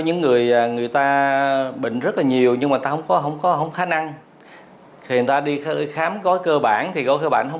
nhiều người bệnh rất nhiều nhưng không có khả năng thì người ta đi khám gói cơ bản thì gói cơ bản không